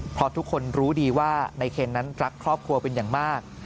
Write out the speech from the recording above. เพราะทุกคนรู้ดีว่าในเคนนั้นรักครอบครัวเป็นอย่างมาก